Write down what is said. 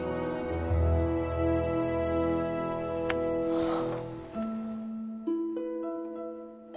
はあ。